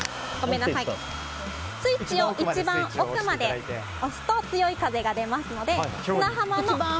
スイッチを一番奥まで押すと強い風が出ますので。